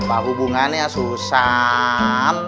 apa hubungannya susan